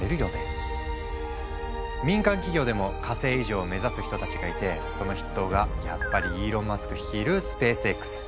民間企業でも火星移住を目指す人たちがいてその筆頭がやっぱりイーロン・マスク率いるスペースＸ。